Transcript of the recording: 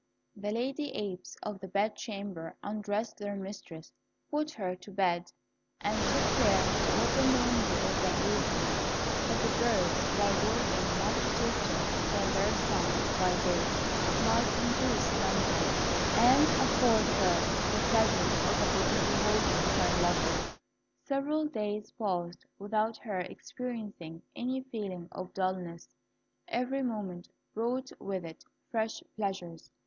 The Lady Apes of the bed chamber undressed their mistress, put her to bed, and took care to open the window of the aviary, that the birds, by a warbling much softer than their songs by day, might induce slumber, and afford her the pleasure of again beholding her lover. Several days passed without her experiencing any feeling of dulness. Every moment brought with it fresh pleasures.